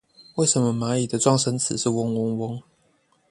為什麼螞蟻的狀聲詞是嗡嗡嗡